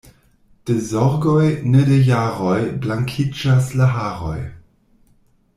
De zorgoj, ne de jaroj, blankiĝas la haroj.